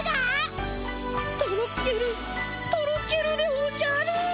とろけるとろけるでおじゃる！